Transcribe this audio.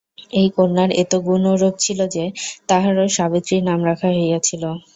এই কন্যার এত গুণ ও রূপ ছিল যে, তাঁহারও সাবিত্রী নাম রাখা হইয়াছিল।